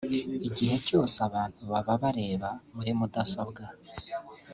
Igiye cyose abantu baba bareba muri mudasobwa